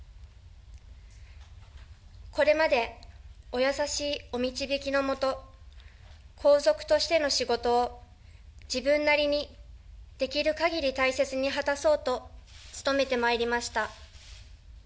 これまで、お優しいお導きのもと、皇族としての仕事を自分なりにできるかぎり大切に果たそうと、努めてまいりました。